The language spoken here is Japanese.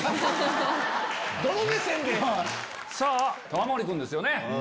さぁ玉森君ですよね。